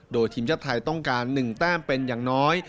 โดยทีมชาติไทยต้องการ๑แต้มเป็นอย่างน้อย